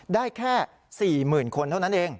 ได้แค่๔๐๐๐คนเท่านั้นเอง